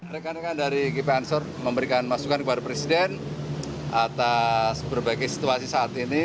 rekan rekan dari gp ansor memberikan masukan kepada presiden atas berbagai situasi saat ini